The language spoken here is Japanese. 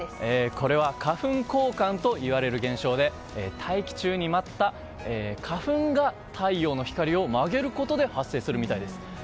これは花粉光環といわれる現象で大気中に舞った花粉が太陽の光を曲げることで発生するみたいです。